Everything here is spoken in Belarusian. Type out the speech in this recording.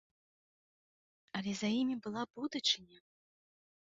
Але за імі была будучыня!